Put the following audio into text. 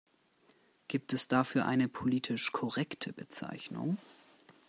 Gibt es dafür eine politisch korrekte Bezeichnung?